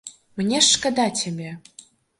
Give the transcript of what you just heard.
Мне ж шкада цябе!